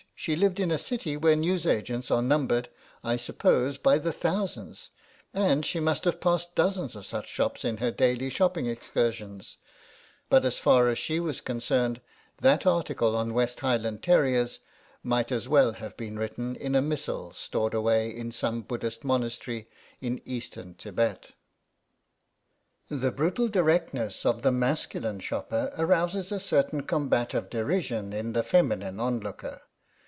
She lived in a city where newsagents are numbered, I suppose, by the thousand, and she must have passed dozens of such shops in her daily shopping excursions, but as far as she was concerned that article on West Highland terriers might as well have been written in a missal stored away in some Buddhist monastery in Eastern Thibet. The brutal directness of the masculine shopper arouses a certain combative derision in the feminine onlooker.